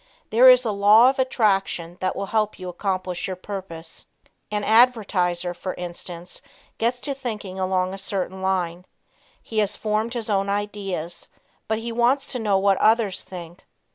There is a law of attraction that will help you accomplish your purpose. An advertiser, for instance, gets to thinking along a certain line. He has formed his own ideas, but he wants to know what others think.